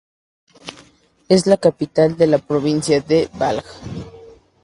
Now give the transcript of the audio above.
Es la capital de la provincia de Balj.